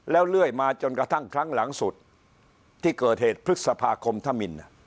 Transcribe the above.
แล้วเรื่อยมาจนกระทั่งครั้งหลังสุดที่เกิดเหตุพฤษภาคมธมิน